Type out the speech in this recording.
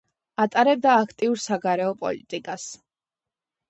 ატარებდა აქტიურ საგარეო პოლიტიკას.